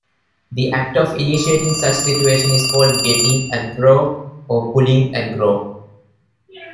The act of initiating such situation is called "getting aggro" or "pulling aggro.